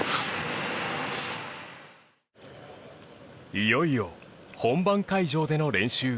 いよいよ本番会場での練習。